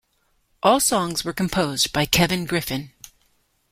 All songs were composed by Kevin Griffin.